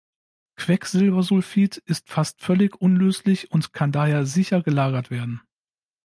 Quecksilbersulfid ist fast völlig unlöslich und kann daher sicher gelagert werden.